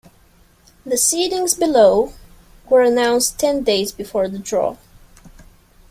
The seedings below were announced ten days before the draw.